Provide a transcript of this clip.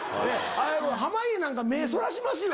濱家なんか目そらしますよ。